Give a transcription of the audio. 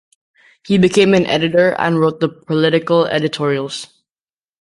He became an editor and wrote the political editorials.